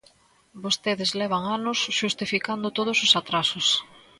Vostedes levan anos xustificando todos os atrasos.